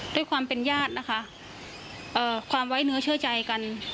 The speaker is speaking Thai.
ด้วยความเป็นญาตินะคะความไว้เนื้อเชื่อใจกัน